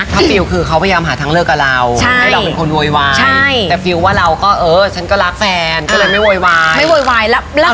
ถ้าฟิวคือเขาพยายามหาทั้งเลิกกับเราให้เราเป็นคนโวยวาย